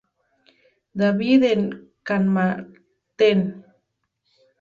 David en Carmarthen.